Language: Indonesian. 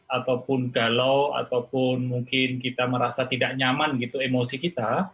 ataupun galau ataupun mungkin kita merasa tidak nyaman gitu emosi kita